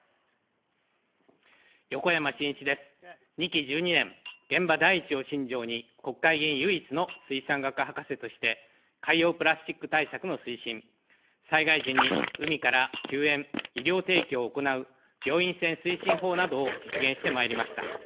２期１２年、現場第一を信条に、国会議員唯一の水産学博士として、海洋プラスチック対策の推進、災害時に海から救援・医療提供を行う病院船推進法などを実現してまいりました。